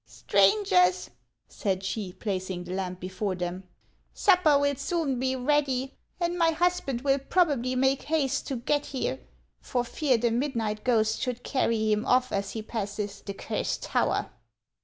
" Strangers," said she, placing the lamp before them, " supper will soon be ready, and my husband will prob ably make haste to get here, for fear the midnight ghost should carry him off as it passes the Cursed Tower."